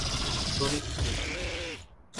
سونے کی قیمت میں